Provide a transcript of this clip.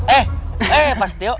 eh eh pak setio